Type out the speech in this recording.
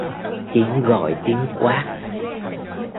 Tiếng Gọi tiếng quát